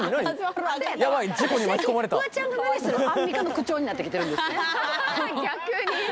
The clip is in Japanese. フワちゃんがアンミカの口調になってきてるんですよ。